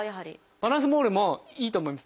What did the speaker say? バランスボールもいいと思います。